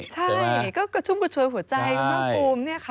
ใช่ก็ชุมกระชวยหัวใจของมุมนี่ค่ะ